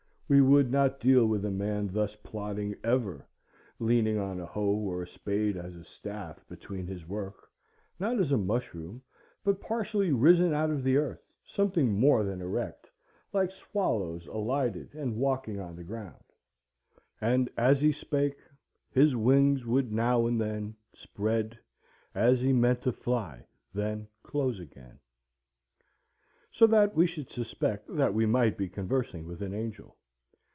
We would not deal with a man thus plodding ever, leaning on a hoe or a spade as a staff between his work, not as a mushroom, but partially risen out of the earth, something more than erect, like swallows alighted and walking on the ground:— "And as he spake, his wings would now and then Spread, as he meant to fly, then close again," so that we should suspect that we might be conversing with an angel.